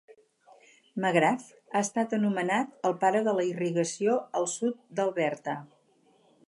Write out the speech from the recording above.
Magrath ha estat anomenat "El pare de la irrigació al sud d'Alberta".